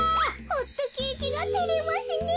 ホットケーキがてれますねえ。